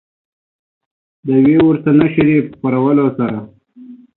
د یوې ورته نشریې په خپرولو سره